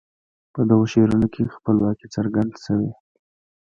په دغو شعرونو کې خپلواکي څرګند شوي.